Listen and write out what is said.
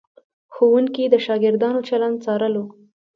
ښوونکي د شاګردانو چلند څارلو.